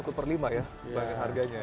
itu satu per lima ya bagian harganya ya